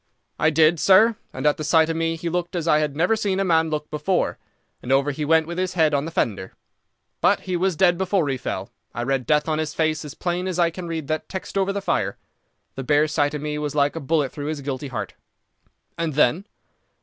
"I did, sir, and at the sight of me he looked as I have never seen a man look before, and over he went with his head on the fender. But he was dead before he fell. I read death on his face as plain as I can read that text over the fire. The bare sight of me was like a bullet through his guilty heart." "And then?"